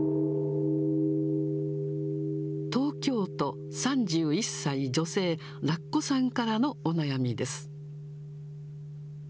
東京都３１歳女性、らっこさんからのお悩みです。